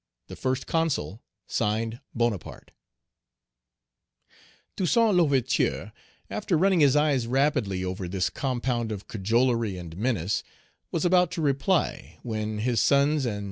"The First Consul, (Signed) "BONAPARTE." Page 176 Toussaint L'Ouverture, after running his eyes rapidly over this compound of cajolery and menace, was about to reply, when his sons and M.